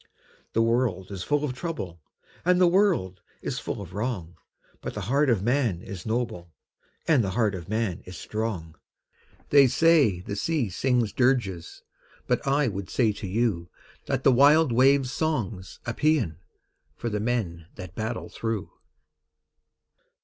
The world is full of trouble, And the world is full of wrong, But the heart of man is noble, And the heart of man is strong! They say the sea sings dirges, But I would say to you That the wild wave's song's a paean For the men that battle through.